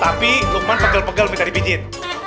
tapi lukman pegel pegel minta dibijit